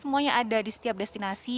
semuanya ada di setiap destinasi